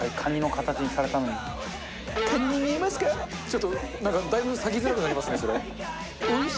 ちょっとなんかだいぶ割きづらくなりますねそれ。